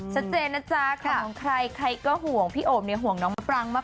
ชัดเจนนะจ๊ะของใครใครก็ห่วงพี่โอมเนี่ยห่วงน้องมะปรางมาก